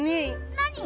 何？